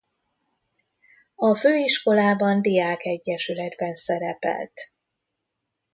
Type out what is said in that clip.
A főiskolában diák-egyesületben szerepelt.